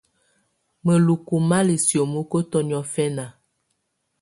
Mǝlukú má lɛ́ siomokotɔ niɔ̀fɛna.